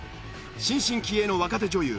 新進気鋭の若手女優